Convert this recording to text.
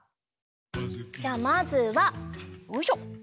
じゃあまずはよいしょ。